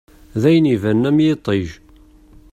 D ayen ibanen am yiṭij.